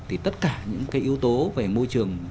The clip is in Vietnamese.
thì tất cả những cái yếu tố về môi trường